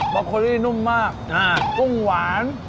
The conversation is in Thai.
บล็อกโคลี่นุ่มมากกุ้งหวาน